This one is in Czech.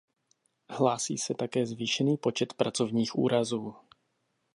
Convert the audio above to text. Hlásí se také zvýšený počet pracovních úrazů.